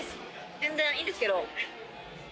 全然いいんですけど。